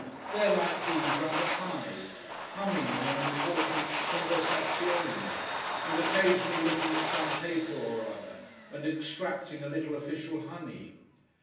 They are like bees round a hive, humming in an important conversazione, and occasionally looking at some paper or other, and extracting a little official honey.